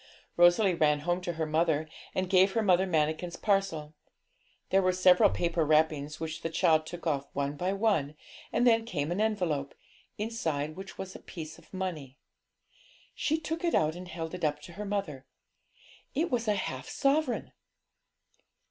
Rosalie ran home to her mother and gave her Mother Manikin's parcel. There were several paper wrappings, which the child took off one by one, and then came an envelope, inside which was a piece of money. She took it out and held it up to her mother; it was a half sovereign!